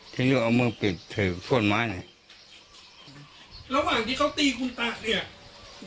ทีนี้ก็เอามือปิดถือขวดไม้เนี่ยระหว่างที่เขาตีคุณตาเนี่ย